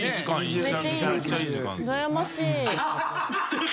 うらやましい。